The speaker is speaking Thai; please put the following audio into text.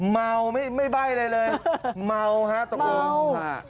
เมาไม่ใบ้อะไรเลยเมาฮะตรงนั้น